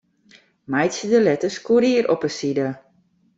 Meitsje de letters Courier op 'e side.